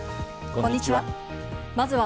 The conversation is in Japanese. こんにちは。